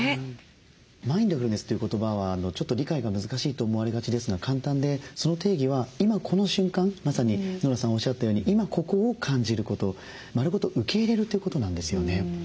マインドフルネスという言葉はちょっと理解が難しいと思われがちですが簡単でその定義は今この瞬間まさにノラさんおっしゃったように今ここを感じること丸ごと受け入れるということなんですよね。